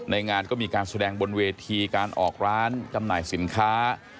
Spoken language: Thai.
งานก็มีการแสดงบนเวทีการออกร้านจำหน่ายสินค้า